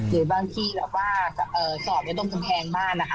หรือบางที่ละหว่าสอบแล้วดมแคตรแทงบ้านนะค่ะ